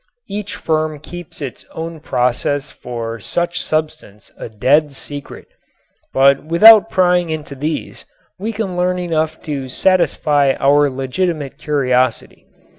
Each firm keeps its own process for such substance a dead secret, but without prying into these we can learn enough to satisfy our legitimate curiosity.